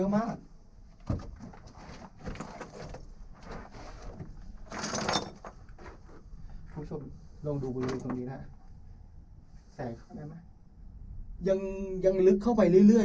มากคุณผู้ชมลองดูบริเวณตรงนี้แหละแสงเขาได้ไหมยังยังลึกเข้าไปเรื่อยเรื่อย